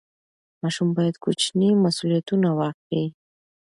ماشوم باید کوچني مسوولیتونه واخلي.